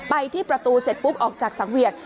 ไปที่ประตูเสร็จปุ๊บออกจากสังเวียด